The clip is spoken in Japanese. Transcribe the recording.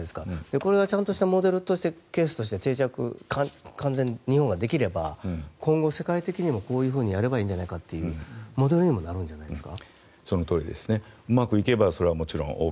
これはちゃんとしたモデルケースとして定着、日本でできれば今後世界的にもこうやればいいんじゃないかというモデルにもなるんじゃないですか？